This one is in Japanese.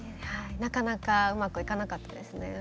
なかなかうまくいかなかったですね。